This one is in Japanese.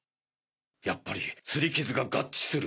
やっぱりすりキズが合致する！